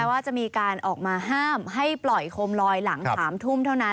ว่าจะมีการออกมาห้ามให้ปล่อยโคมลอยหลัง๓ทุ่มเท่านั้น